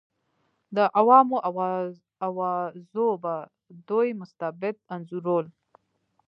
د عوامو اوازو به دوی مستبد انځورول.